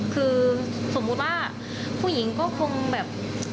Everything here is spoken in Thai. คือสมมุติว่าผู้หญิงก็คงแบบ